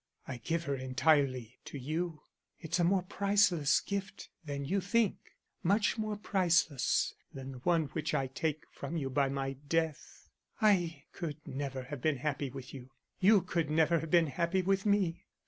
I give her entirely to you. It's a more priceless gift than you think; much more priceless than the one which I take from you by my death. I could never have been happy with you; you could never have been happy with me.